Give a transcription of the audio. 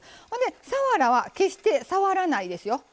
ほんで、さわらは決して触らないですよ。